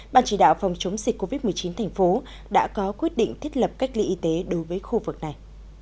bàn chỉ đạo phòng chống dịch covid một mươi chín thành phố đã có quyết định thiết lập cách ly y tế đối với khu vực này